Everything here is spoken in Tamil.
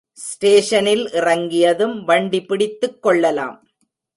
ஸ்டேஷனில் இறங்கியதும் வண்டி பிடித்துக் கொள்ளலாம்.